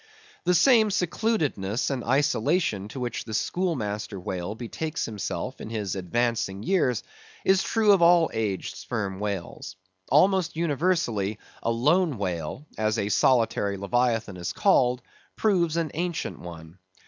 The same secludedness and isolation to which the schoolmaster whale betakes himself in his advancing years, is true of all aged Sperm Whales. Almost universally, a lone whale—as a solitary Leviathan is called—proves an ancient one.